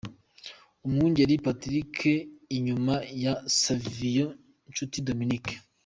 Umwungeri Patrick inyuma ya Savio Nshuti Dominique.